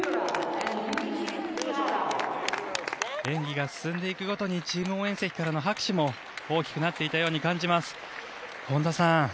演技が進んでいくごとにチーム応援席からの拍手も大きくなっていたように感じます。